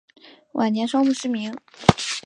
晚年双目失明。